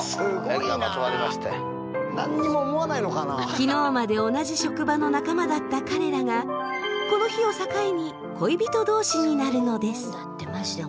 昨日まで同じ職場の仲間だった彼らがこの日を境に恋人同士になるのです。